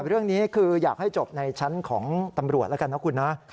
เรื่องนี้คืออยากให้จบในชั้นของตำรวจแล้วกันนะคุณนะ